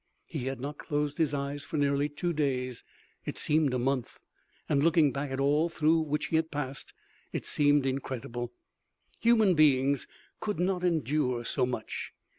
He had not closed his eyes for nearly two days it seemed a month and looking back at all through which he had passed it seemed incredible. Human beings could not endure so much.